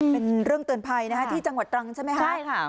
เป็นเรื่องเตือนภัยนะฮะที่จังหวัดตรังใช่ไหมคะใช่ค่ะ